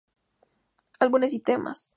Álbumes y temas.